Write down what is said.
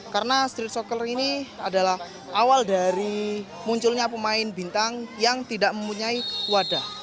karena street soccer ini adalah awal dari munculnya pemain bintang yang tidak mempunyai wadah